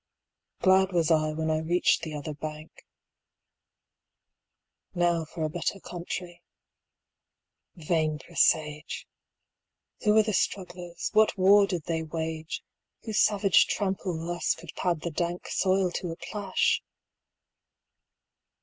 Glad was I when I reached the other bank. Now for a better country. Vain presage! Who were the strugglers, what war did they wage, Whose savage trample thus could pad the dank 130 Soil to a plash?